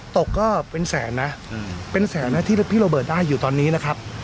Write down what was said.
ก็เป็นแสนนะเป็นแสนนะที่พี่โรเบิร์ตได้อยู่ตอนนี้นะครับ